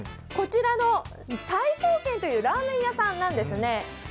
こちらの大勝軒というラーメン屋さんなんですね。